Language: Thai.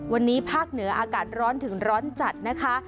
วันนี้ภาคเหนืออากาศร้อนถึงร้อนจัดนะคะ